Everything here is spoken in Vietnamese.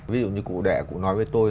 ví dụ như cụ đệ cụ nói với tôi